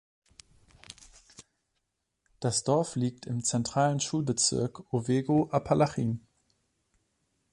Das Dorf liegt im zentralen Schulbezirk Owego-Apalachin.